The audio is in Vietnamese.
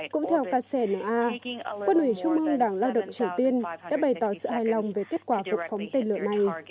cũng theo kcna quân ủy trung ương đảng lao động triều tiên đã bày tỏ sự hài lòng về kết quả vụt phóng tên lửa này